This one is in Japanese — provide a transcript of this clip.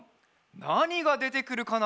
なにがでてくるかな？